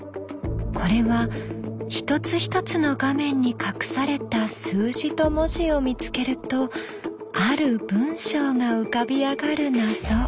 これは一つ一つの画面に隠された数字と文字を見つけるとある文章が浮かび上がる謎。